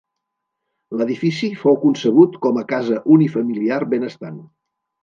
L'edifici fou concebut com a casa unifamiliar benestant.